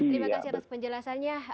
terima kasih atas penjelasannya